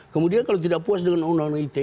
kemudian kalau tidak puas dengan undang undang ite